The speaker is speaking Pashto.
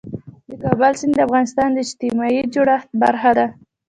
د کابل سیند د افغانستان د اجتماعي جوړښت برخه ده.